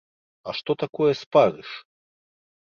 А што такое спарыш?